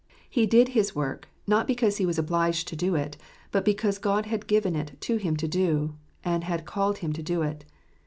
• He did his work, not because he was obliged to do it, but because God had given it to him to do, and had called him to do it.